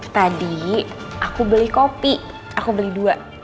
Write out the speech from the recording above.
tadi aku beli kopi aku beli dua